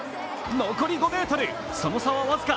残り５ｍ、その差は僅か。